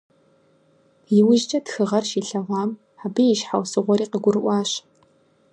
ИужькӀэ тхыгъэр щилъэгъуам абы и щхьэусыгъуэри къыгурыӀуащ.